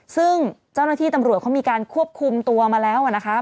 ซึ่งเจ้าหน้าที่ตำรวจเขามีการควบคุมตัวมาแล้วนะคะ